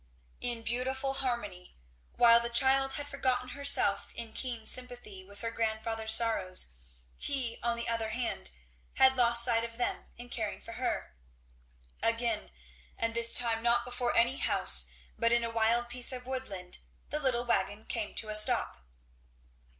In beautiful harmony, while the child had forgotten herself in keen sympathy with her grandfather's sorrows, he on the other hand had half lost sight of them in caring for her. Again, and this time not before any house but in a wild piece of woodland, the little wagon came to a stop.